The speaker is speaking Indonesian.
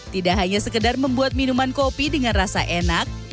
tidak hanya sekedar membuat minuman kopi dengan rasa enak